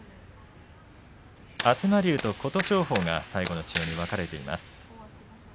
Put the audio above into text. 東龍と琴勝峰が最後の塩に分かれています。